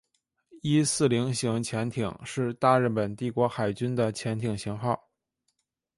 伊四零型潜艇是大日本帝国海军的潜舰型号。